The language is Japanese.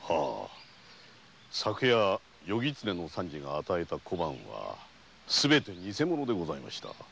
昨夜夜狐の三次が与えた小判はすべて偽物でございました。